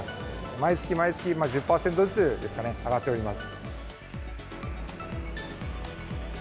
毎月毎月１０％ずつですかね、上がっております。